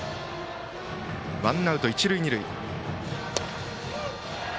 ワンアウト、一塁二塁。